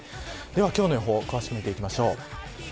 では今日の予報を詳しく見ていきましょう。